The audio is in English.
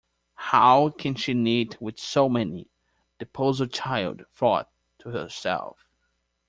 ‘How can she knit with so many?’ the puzzled child thought to herself.